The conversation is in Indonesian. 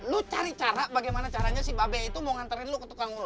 lo cari cara bagaimana caranya si babe itu mau nganterin lo ke tukang urut